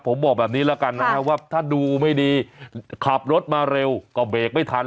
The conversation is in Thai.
ผมบอกแบบนี้แล้วกันนะครับว่าถ้าดูไม่ดีขับรถมาเร็วก็เบรกไม่ทัน